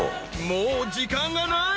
［もう時間がない。